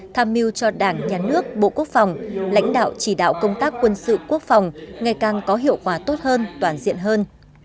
tham mưu cho đảng nhà nước bộ quốc phòng lãnh đạo chỉ đạo công tác quân sự quốc phòng ngày càng có hiệu quả tốt hơn toàn diện hơn